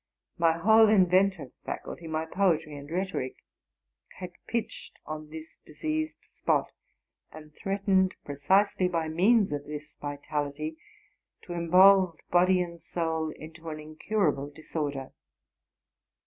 My whole inventive faculty, my poetry and rhetoric, had pitched on this diseased spot, and threatened, precisely by means of this vitality, to involve body and soul into an incurable disorder.